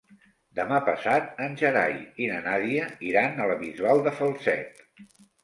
Demà passat en Gerai i na Nàdia iran a la Bisbal de Falset.